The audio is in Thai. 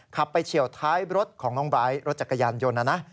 ไปเฉียวท้ายรถของน้องไบร์ทรถจักรยานยนต์นะนะ